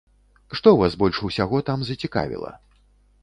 Што вас больш усяго там зацікавіла?